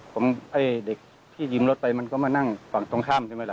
ผมไอ้เด็กที่ยืมรถไปมันก็มานั่งฝั่งตรงข้ามใช่ไหมล่ะ